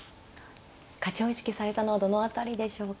勝ちを意識されたのはどの辺りでしょうか。